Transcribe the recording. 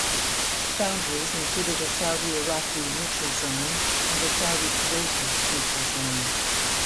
The boundaries included a Saudi-Iraqi neutral zone and a Saudi-Kuwaiti neutral zone.